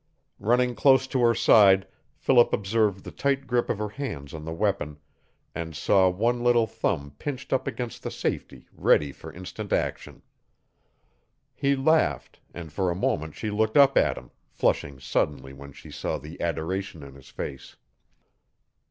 Running close to her side Philip observed the tight grip of her hands on the weapon, and saw one little thumb pinched up against the safety ready for instant action. He laughed, and for a moment she looked up at him, flushing suddenly when she saw the adoration in his face.